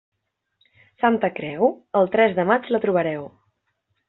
Santa Creu?, el tres de maig la trobareu.